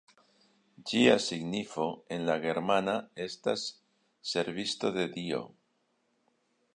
Ĝia signifo en la germana estas «servisto de Dio».